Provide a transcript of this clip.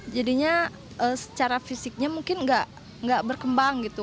jadinya secara fisiknya mungkin nggak berkembang gitu